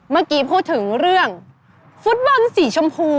เมื่อกี้พูดถึงเรื่องฟุตบอลสีชมพู